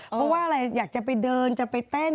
เพราะว่าอะไรอยากจะไปเดินจะไปเต้น